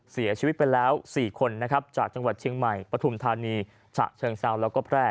เสียชีวิตไปแล้ว๔คนนะครับจากจังหวัดเชียงใหม่ปฐุมธานีฉะเชิงเซาแล้วก็แพร่